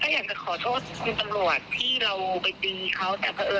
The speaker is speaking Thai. เช้ามาก็อยากจะขอโทษคุณตำรวจที่เราไปดีเขาแต่เพราะเอิญกลับมาไม่ได้